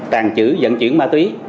tàng trữ dẫn chuyển ma túy